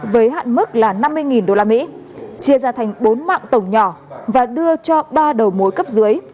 với hạn mức là năm mươi usd chia ra thành bốn mạng tổng nhỏ và đưa cho ba đầu mối cấp dưới